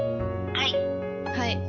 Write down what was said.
はい。